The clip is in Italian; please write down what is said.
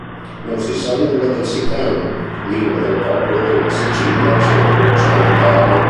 Non si sa nulla del sicano, lingua del popolo della Sicilia centro-occidentale.